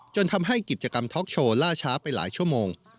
จนทำให้กิจกรรมท็อกโชว์ล่าช้าไปหลายชั่วโมง